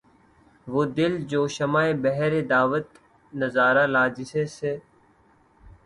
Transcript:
وہ دل جوں شمعِ بہرِ دعوت نظارہ لا‘ جس سے